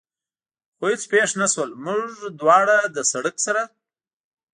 خو هېڅ پېښ نه شول، موږ دواړه له سړک سره.